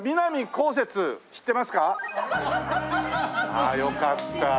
ああよかった。